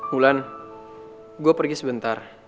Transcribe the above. mulan gue pergi sebentar